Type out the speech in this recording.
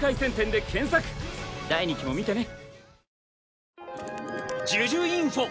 第２期も見てね！